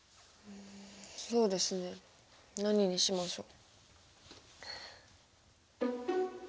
そうですね何にしましょう。